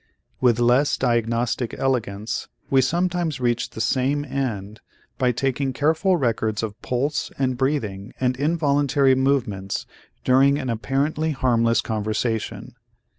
With less diagnostic elegance we sometimes reach the same end by taking careful records of pulse and breathing and involuntary movements during an apparently harmless conversation.